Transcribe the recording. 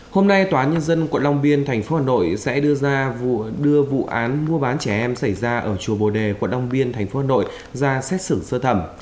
hôm nay tòa nhân dân quận long biên thành phố hà nội sẽ đưa vụ án mua bán trẻ em xảy ra ở chùa bồ đề quận long biên thành phố hà nội ra xét xử sơ thẩm